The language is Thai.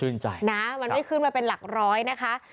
นะมันไม่ขึ้นมาเป็นหลักร้อยนะคะ